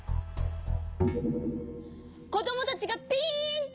こどもたちがピンチ！